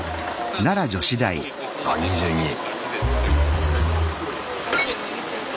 あっ２２位。